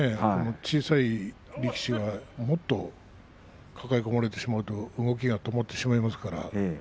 小さい力士はもっと抱え込まれてしまうと動きが止まってしまいますから。